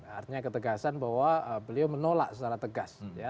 artinya ketegasan bahwa beliau menolak secara tegas